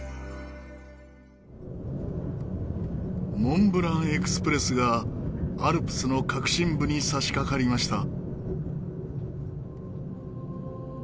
モンブラン・エクスプレスがアルプスの核心部に差し掛かりました。